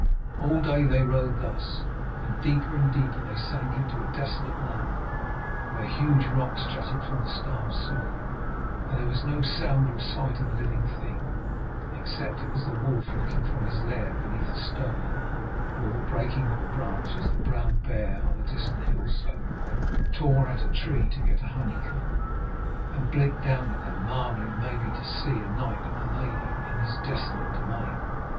All day they rode thus, and deeper and deeper they sank into a desolate land, where huge rocks jutted from the starved soil, and there was no sound or sight of living thing, except it was the wolf looking from his lair beneath a stone, or the breaking of a branch, as the brown bear on a distant hillslope tore at a tree to get a honeycomb, and blinked down at them, marvelling, maybe, to see a knight and a lady in his desolate domain.